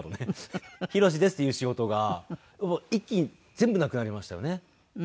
「ヒロシです」って言う仕事がもう一気に全部なくなりましたよね